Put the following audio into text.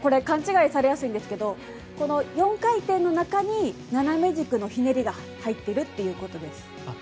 勘違いされやすいんですが４回転の中に斜め軸のひねりが入っているということです。